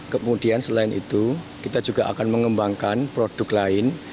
kemudian selain itu kita juga akan mengembangkan produk lain